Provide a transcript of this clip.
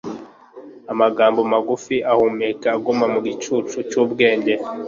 Amagambo magufi ahumeka aguma mu gicucu cy' ubwenge